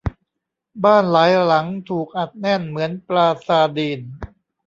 บ้านหลายหลังถูกอัดแน่นเหมือนปลาซาร์ดีน